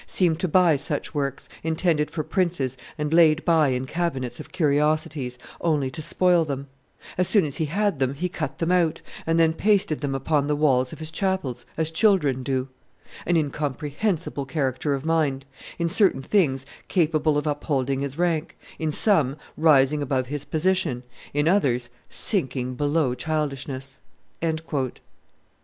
seemed to buy such works, intended for princes and laid by in cabinets of curiosities, only to spoil them; as soon as he had them, he cut them out, and then pasted them upon the walls of his chapels, as children do. An incomprehensible character of mind: in certain things, capable of upholding his rank; in some, rising above his position; in others, sinking below childishness." [Histoire universelle de F. A. de Thou, t. ix. p. 599.